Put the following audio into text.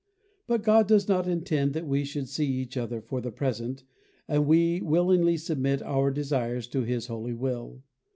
But God does not intend that we should see each other for the present, and we willingly submit our desires to His holy will.